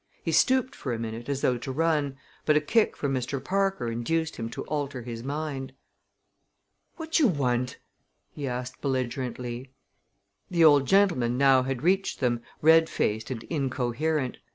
He stooped for a minute as though to run, but a kick from Mr. Parker induced him to alter his mind. "Wotcher want?" he asked belligerently. The old gentleman had now reached them, red faced and incoherent.